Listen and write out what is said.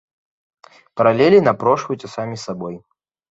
Паралелі напрошваюцца самі сабой.